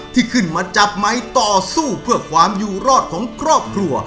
ที่ขึ้นมาจับไมค์ต่อสู้เพื่อความอยู่รอดของครอบครัว